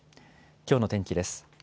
きょうの天気です。